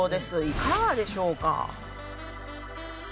いかがでしょうか？